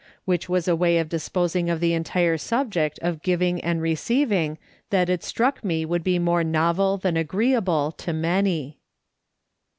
Which was a way of disposing of the entire subject of giving and receiving that it struck me would be more novel than agreeable to many.